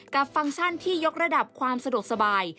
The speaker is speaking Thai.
ฟังก์ชันที่ยกระดับความสะดวกสบาย